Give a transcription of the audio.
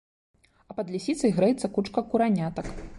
А пад лісіцай грэецца кучка куранятак.